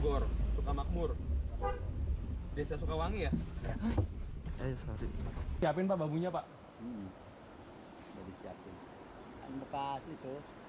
bogor suka makmur biasa suka wangi ya siapin babunya pak